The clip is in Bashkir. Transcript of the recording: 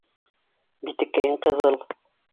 Битекәйең ҡыҙыл